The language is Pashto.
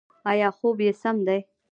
ایا خوب یې سم دی؟